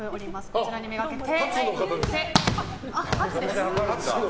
こちらに目がけて。